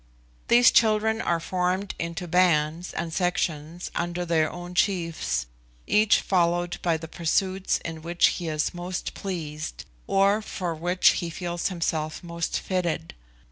These children are formed into bands and sections under their own chiefs, each following the pursuits in which he is most pleased, or for which he feels himself most fitted.